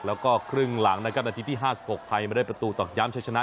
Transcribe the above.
แล้วก็ครึ่งหลังนักการณ์ที่๕๖ไทยมาเรียนประตูต่อย้ำชัดชนะ